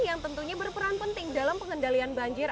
yang tentunya berperan penting dalam pengendalian banjir